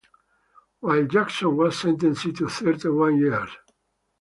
Willie Jackson was sentenced to thirty-one years.